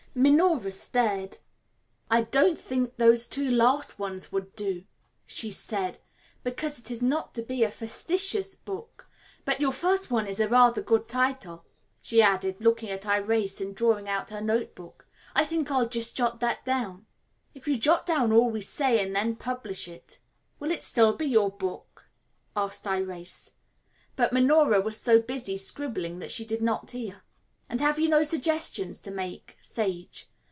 Minora stared. "I don't think those two last ones would do," she said, "because it is not to be a facetious book. But your first one is rather a good title," she added, looking at Irais and drawing out her note book. "I think I'll just jot that down." "If you jot down all we say and then publish it, will it still be your book?" asked Irais. But Minora was so busy scribbling that she did not hear. "And have you no suggestions to make, Sage?"